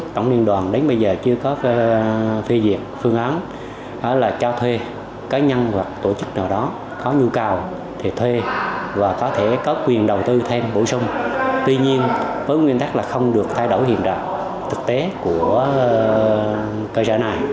tổ chức nào đó có nhu cầu thì thuê và có thể có quyền đầu tư thêm bổ sung tuy nhiên với nguyên tắc là không được thay đổi hiện trạng thực tế của cơ sở này